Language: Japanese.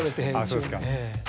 あぁそうですか。